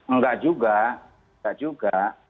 enggak juga enggak juga